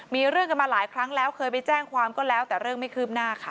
มีเรื่องกันมาหลายครั้งแล้วเคยไปแจ้งความก็แล้วแต่เรื่องไม่คืบหน้าค่ะ